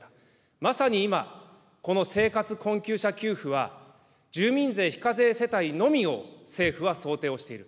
まさに今、この生活困窮者給付は、住民税非課税世帯のみを政府は想定をしている。